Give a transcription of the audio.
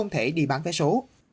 để đi bán vé số